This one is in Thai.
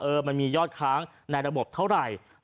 มันมียอดค้างในระบบเท่าไหร่